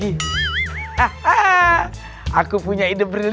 kamu tuh tau nggak